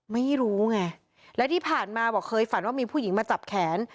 ไม่รู้ไงและที่ผ่านมาบอกเคยฝันว่ามีผู้หญิงมาจับแขน